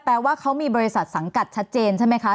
แปลว่าเขามีบริษัทสังกัดชัดเจนใช่ไหมคะ